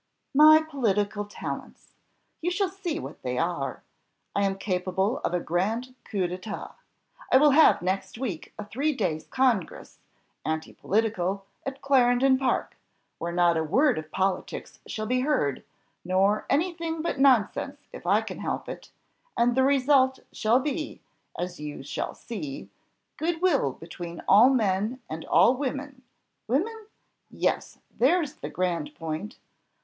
"My political talents! you shall see what they are. I am capable of a grand coup d'état. I will have next week a three days' congress, anti political, at Clarendon Park, where not a word of politics shall be heard, nor any thing but nonsense if I can help it, and the result shall be, as you shall see, goodwill between all men and all women women? yes, there's the grand point.